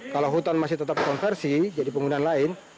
kalau hutan masih tetap konversi jadi penggunaan lain